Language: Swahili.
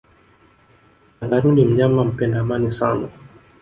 kangaroo ni mnyama mpenda amani sana